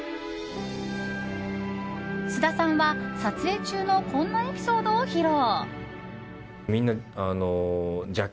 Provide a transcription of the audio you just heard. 菅田さんは撮影中のこんなエピソードを披露。